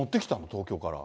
東京から。